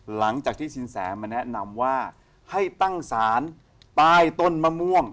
หลังจากที่สินแสมาแนะนำว่าให้ตั้งศาลใต้ต้นมะม่วง